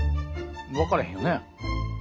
わからへんよね？